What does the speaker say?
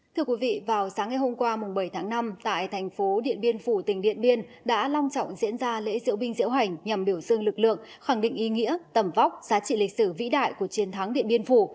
thưa quý vị vào sáng ngày hôm qua bảy tháng năm tại thành phố điện biên phủ tỉnh điện biên đã long trọng diễn ra lễ diễu binh diễu hành nhằm biểu dương lực lượng khẳng định ý nghĩa tầm vóc giá trị lịch sử vĩ đại của chiến thắng điện biên phủ